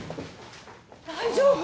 大丈夫？